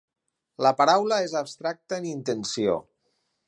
La paraula és abstracta en intenció.